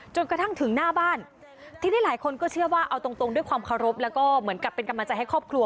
กระทั่งถึงหน้าบ้านทีนี้หลายคนก็เชื่อว่าเอาตรงตรงด้วยความเคารพแล้วก็เหมือนกับเป็นกำลังใจให้ครอบครัว